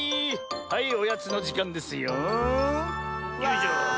はいおやつのじかんですよ。わい！